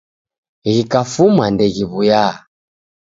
Ghikafuma ndeghiwuya.